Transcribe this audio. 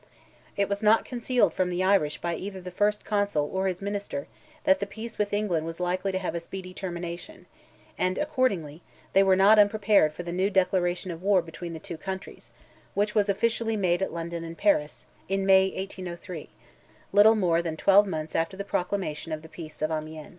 It was not concealed from the Irish by either the First Consul, or his minister, that the peace with England was likely to have a speedy termination; and, accordingly, they were not unprepared for the new declaration of war between the two countries, which was officially made at London and Paris, in May, 1803—little more than twelve months after the proclamation of the peace of Amiens.